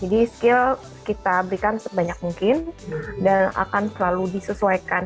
jadi skill kita berikan sebanyak mungkin dan akan selalu disesuaikan